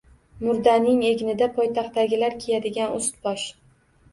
Murdaning egnida poytaxtdagilar kiyadigan ust bosh.